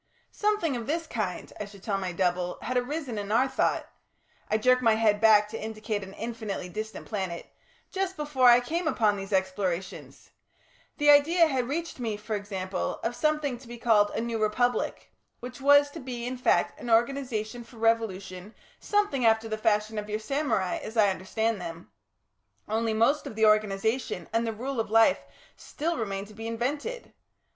"Something of this kind," I should tell my double, "had arisen in our thought" I jerk my head back to indicate an infinitely distant planet "just before I came upon these explorations. The idea had reached me, for example, of something to be called a New Republic, which was to be in fact an organisation for revolution something after the fashion of your samurai, as I understand them only most of the organisation and the rule of life still remained to be invented.